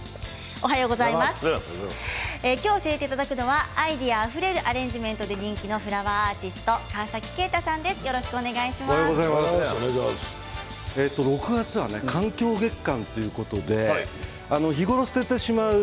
きょう教えていただくのはアイデアあふれるアレンジメントで人気のフラワーアーティストのおはようございます。